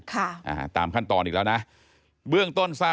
ตามขั้นตอนอีกแล้วนะ